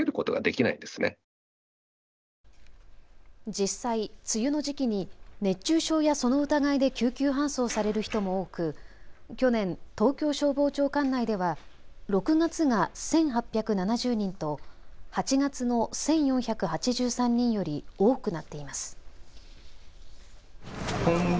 実際、梅雨の時期に熱中症やその疑いで救急搬送される人も多く去年、東京消防庁管内では６月が１８７０人と８月の１４８３人より多くなっています。